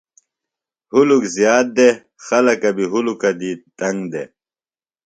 ہُلک زیات دےۡ۔ خلکہ بیۡ ہُلکہ دی تنگ دےۡ۔